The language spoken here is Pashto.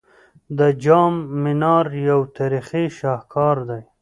د جام منار یو تاریخي شاهکار دی